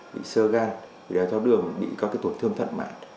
bị sơ gan bị đáy tháo đường bị các tổn thương thật mạng